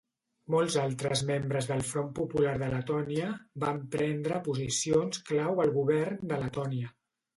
Molts altres membres del Front Popular de Letònia van prendre posicions clau al govern de Letònia.